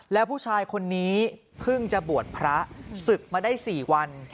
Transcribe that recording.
แล้วผู้ชายคนนี้เพิ่งจะบวชพระศึกมาได้๔วัน